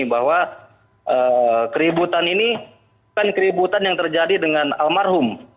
bahwa keributan ini bukan keributan yang terjadi dengan almarhum